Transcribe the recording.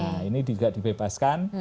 nah ini juga dibebaskan